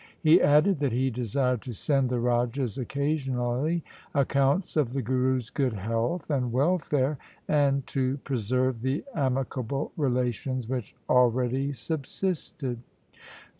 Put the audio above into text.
He added that he desired to send the rajas occasionally accounts of the Guru's good health and welfare, and to preserve the amicable relations which already subsisted.